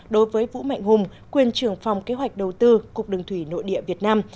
đối với vũ mạnh hùng quyền trưởng phòng kế hoạch đầu tư cục đường thủy nội địa việt nam